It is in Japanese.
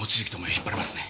引っ張れますね。